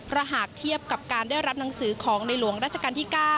หากเทียบกับการได้รับหนังสือของในหลวงราชการที่๙